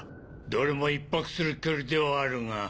どれも１泊する距離ではあるが。